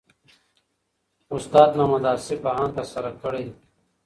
استاد محمد اصف بهاند ترسره کړی.